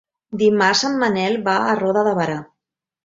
Dimarts en Manel va a Roda de Berà.